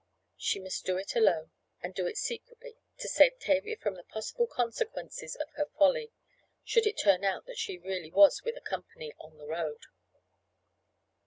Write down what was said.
She must do it alone, and do it secretly to save Tavia from the possible consequences of her folly, should it turn out that she really was with a company "on the road."